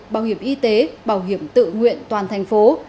bảo hiểm y tế bảo hiểm tự nguyện toàn thành phố